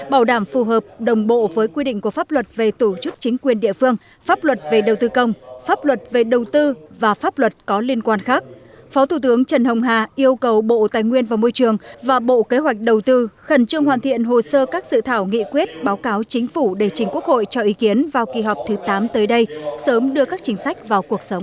bảo đảm phù hợp đồng bộ với quy định của pháp luật về tổ chức chính quyền địa phương pháp luật về đầu tư công pháp luật về đầu tư và pháp luật có liên quan khác phó thủ tướng trần hồng hà yêu cầu bộ tài nguyên và môi trường và bộ kế hoạch đầu tư khẩn trương hoàn thiện hồ sơ các sự thảo nghị quyết báo cáo chính phủ để chính quốc hội cho ý kiến vào kỳ họp thứ tám tới đây sớm đưa các chính sách vào cuộc sống